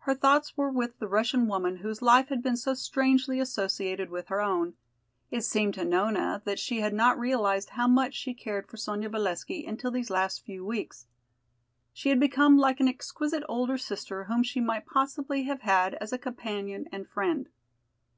Her thoughts were with the Russian woman whose life had been so strangely associated with her own. It seemed to Nona that she had not realized how much she cared for Sonya Valesky until these last few weeks. She had become like an exquisite older sister whom she might possibly have had as a companion and friend.